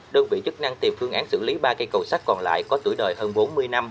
đơn vị chức năng tìm phương án xử lý ba cây cầu sắt còn lại có tuổi đời hơn bốn mươi năm